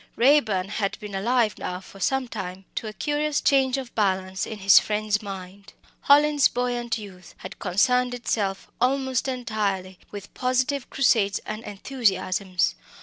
Raeburn had been alive now for some time to a curious change of balance in his friend's mind. Hallin's buoyant youth had concerned itself almost entirely with positive crusades and enthusiasms.